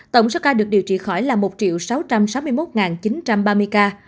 tổng số ca được điều trị khỏi là một sáu trăm sáu mươi một chín trăm ba mươi ca